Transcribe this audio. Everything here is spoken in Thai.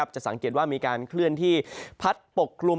จะสังเกตว่ามีการเคลื่อนที่พัดปกคลุม